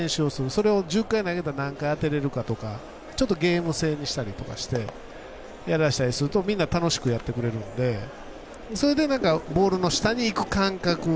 それを１０回もやって何回当てられるかとかちょっとゲーム性にしたりとかして、やらせるとみんな楽しくやってくれるんでそれで、ボールの下にいく感覚。